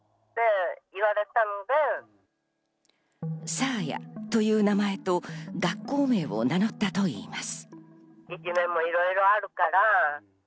さあやという名前と学校名を名乗ったといいます。